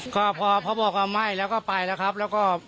ก็พอเขาบอกว่าไหม้แล้วก็ไปแล้วครับแล้วก็